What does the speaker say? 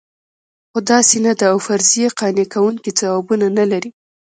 خو داسې نه ده او فرضیې قانع کوونکي ځوابونه نه لري.